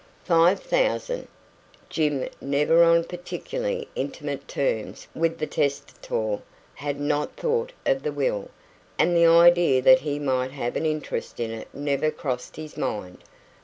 Five thousand! Jim, never on particularly intimate terms with the testator, had not thought of the will, and the idea that he might have an interest in it never crossed his mind.